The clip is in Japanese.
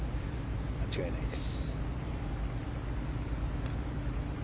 間違いないです。